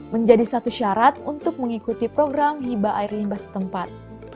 menjadi satu syarat untuk mengikuti program hiba air limbah setempat